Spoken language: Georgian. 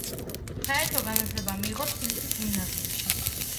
საერთო განათლება მიიღო თბილისის გიმნაზიაში.